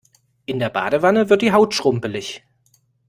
In der Badewanne wird die Haut schrumpelig.